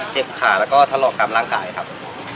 เจ็บขาแล้วก็ทะลอกกลางร่างกายครับ